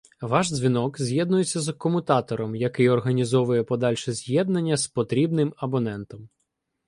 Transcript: Ваш дзвінок з'єднується з комутатором, який організовує подальше з'єднання з потрібним абонентом.